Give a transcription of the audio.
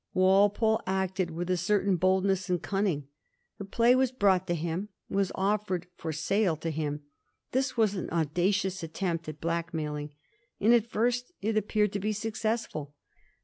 Walpole act ed with a certain boldness and cunning. The play was brought to him, was offered for sale to him. This was an audacious attempt at black mailing; and at first it appear ed to be successful.